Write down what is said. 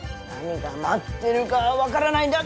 何が待っているか分からない。